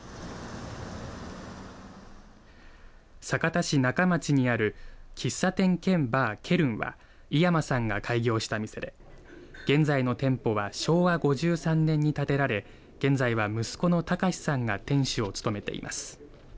酒田市中町にある喫茶店兼バー、ケルンは井山さんが開業した店で現在の店舗は昭和５３年に建てられ現在は息子の多可志さんが店主を務めています。